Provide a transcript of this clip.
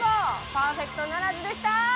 パーフェクトならずでした！